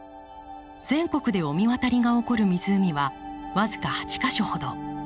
全国で御神渡りが起こる湖は僅か８か所ほど。